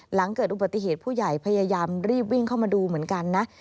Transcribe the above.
หลังเกิดอุบัติเหตุผู้ใหญ่พยายามรีบวิ่งเข้ามาดูเหมือนกันนะ